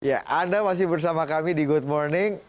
ya anda masih bersama kami di good morning